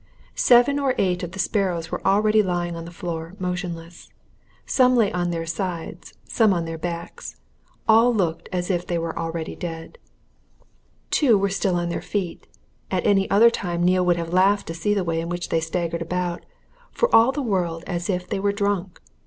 Seven or eight of the sparrows were already lying on the floor motionless. Some lay on their sides, some on their backs; all looked as if they were already dead. Two were still on their feet; at any other time Neale would have laughed to see the way in which they staggered about, for all the world as if they were drunk.